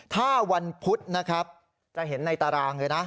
ถ้าวันพุธนะครับจะเห็นในตารางเลยนะ